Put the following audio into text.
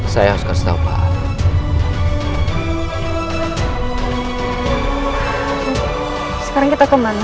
sekarang kita kemana